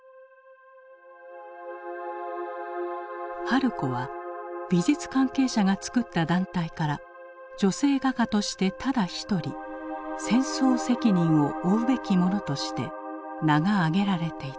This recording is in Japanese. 春子は美術関係者が作った団体から女性画家としてただ一人「戦争責任を負うべきもの」として名が挙げられていた。